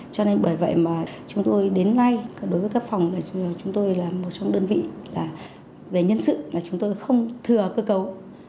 cho nên bởi vậy mà chúng tôi đến nay đối với cấp phòng chúng tôi là một trong đơn vị về nhân sự chúng tôi không thừa cơ cấu